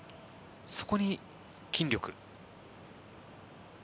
そこに筋力。